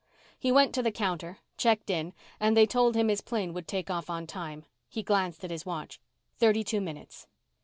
He went to the counter, checked in, and they told him his plane would take off on time. He glanced at his watch. Thirty two minutes.